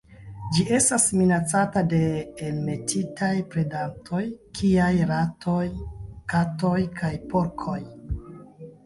Ĝi estas minacata de enmetitaj predantoj kiaj ratoj, katoj kaj porkoj.